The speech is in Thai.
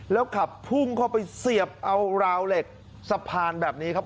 แล้วขับพุ่งเข้าไปเสียบเอาราวเหล็กสะพานแบบนี้ครับ